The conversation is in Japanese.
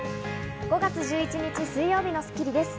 ５月１１日、水曜日の『スッキリ』です。